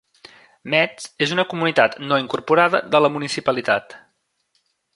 Metz és una comunitat no incorporada de la municipalitat.